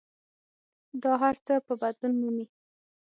دا هر څه به بدلون مومي.